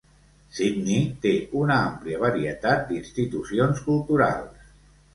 Sydney té una àmplia varietat d'institucions culturals.